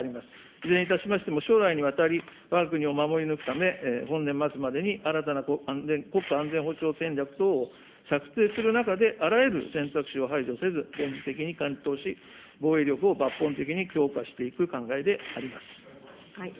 いずれにしましても、将来にわたりわが国を守り抜くため、本年末までに新たな国家安全保障戦略等を策定する中で、あらゆる選択肢を排除せず、現実的にし、防衛力を抜本的に強化していく考えであります。